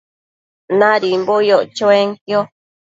Nadimbo yoc chuenquio